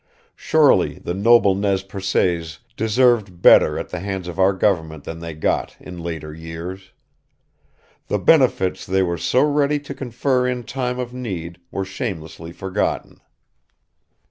Surely the noble Nez Percés deserved better at the hands of our government than they got in later years. The benefits they were so ready to confer in time of need were shamelessly forgotten.